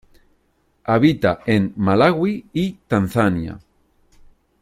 Habita en Malaui y Tanzania.